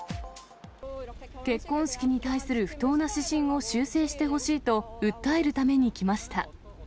結婚式に対する不当な指針を修正してほしいと訴えるために来ました。